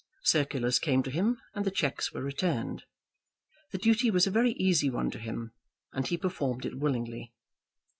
Circulars came to him and the cheques were returned. The duty was a very easy one to him, and he performed it willingly.